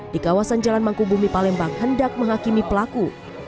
di kawasan jalan mangkubumi palembang hendak menghakimi pelaku